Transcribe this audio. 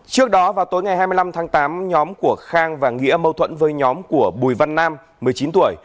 trước đó vào tối ngày hai mươi năm tháng tám nhóm của khang và nghĩa mâu thuẫn với nhóm của bùi văn nam một mươi chín tuổi